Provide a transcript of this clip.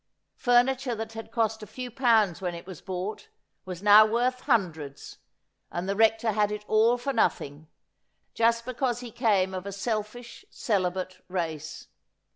Furniture that had cost a few pounds when it was bought was now worth hundreds, and the Rector had it all for nothing, just because he came of a selfish celibate race.